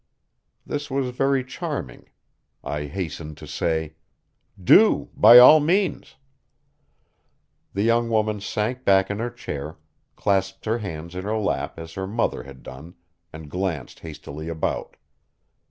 This was very charming. I hastened to say: "Do, by all means." The young woman sank back in her chair, clasped her hands in her lap as her mother had done, and glanced hastily about.